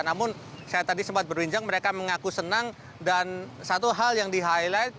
namun saya tadi sempat berbincang mereka mengaku senang dan satu hal yang di highlight